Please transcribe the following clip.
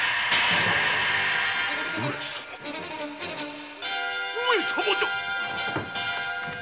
上様上様じゃ！